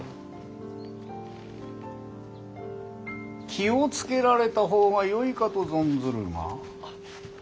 気を付けられた方がよいかと存ずるが。